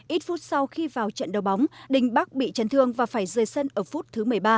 ít phút sau khi vào trận đầu bóng đỉnh bắc bị chấn thương và phải rơi sân ở phút thứ một mươi ba